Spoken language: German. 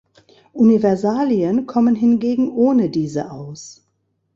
Universalien kommen hingegen ohne diese aus.